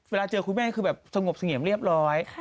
เวลาเจอคุณแม่คือแบบสงบเสงี่ยมเรียบร้อย